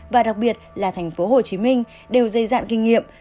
và đặc biệt là thành phố hồ chí minh đều dây dạn kinh nghiệm